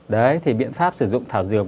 đấy thì biện pháp sử dụng thảo dược